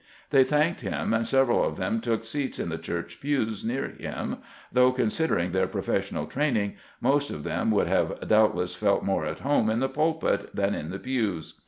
They thanked him, and several of them took seats in the church pews near him, though, considering their professional training, most of them would have doubt less felt more at home in the pulpit than in the pews.